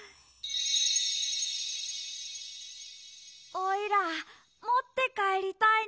おいらもってかえりたいな。